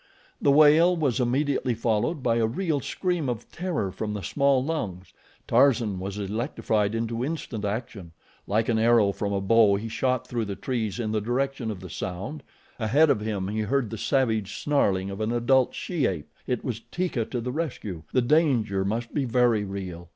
The wail was immediately followed by a real scream of terror from the small lungs. Tarzan was electrified into instant action. Like an arrow from a bow he shot through the trees in the direction of the sound. Ahead of him he heard the savage snarling of an adult she ape. It was Teeka to the rescue. The danger must be very real.